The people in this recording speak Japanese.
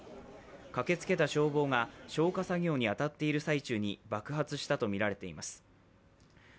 駆けつけた消防が消火作業に当たっている最中に爆発したとみられています。